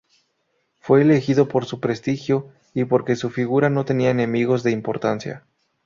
Fue elegido por su prestigio y porque su figura no tenía enemigos de importancia.